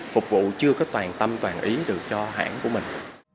phục vụ chưa có toàn tâm toàn ý được cho hãng của mình